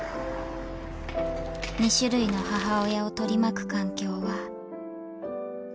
［２種類の母親を取り巻く環境は］